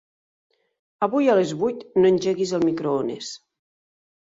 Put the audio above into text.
Avui a les vuit no engeguis el microones.